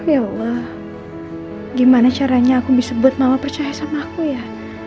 ya wah gimana caranya aku bisa buat mama percaya sama aku ya